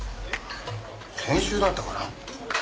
先週だったかな？